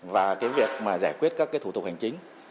và việc giải quyết các thủ tục hành chính